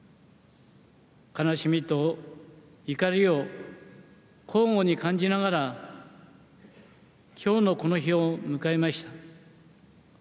悲しみと怒りを交互に感じながら今日のこの日を迎えました。